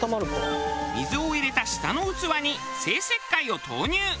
水を入れた下の器に生石灰を投入。